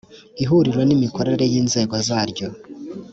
ihuriro n imikorere y inzego zaryo